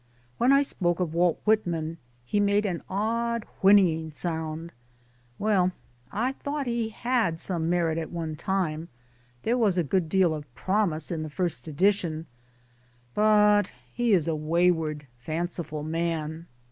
When I spoke of Walt Whitman he made an odd whinnying sound :" Well, I thought he had some merit at one time : there was a good deal of promise in the first edition hurt he is a wayward fanciful man.